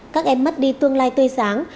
các em mất đi tương lai tươi sáng